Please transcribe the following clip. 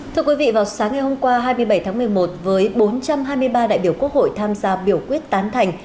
thưa quý vị vào sáng ngày hôm qua hai mươi bảy tháng một mươi một với bốn trăm hai mươi ba đại biểu quốc hội tham gia biểu quyết tán thành